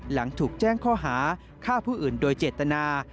หลังถูกแจ้งข้อหาฆ่าผู้อื่นโดยเจตนา